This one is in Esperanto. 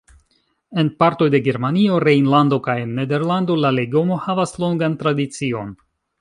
En partoj de Germanio, Rejnlando kaj en Nederlando la legomo havas longan tradicion.